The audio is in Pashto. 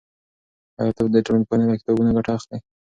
آیا ته د ټولنپوهنې له کتابونو ګټه اخلی؟